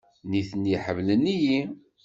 Nitni ḥemmlen-iyi.